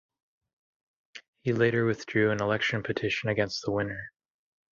He later withdrew an election petition against the winner.